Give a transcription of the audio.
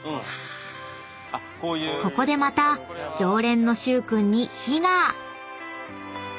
［ここでまた常連の許君に火が！］